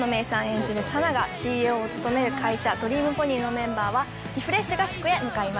演じる佐奈がＣＥＯを務める会社ドリームポニーのメンバーはリフレッシュ合宿へ向かいます。